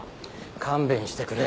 勘弁してくれ。